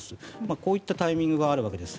こういったタイミングがあるわけです。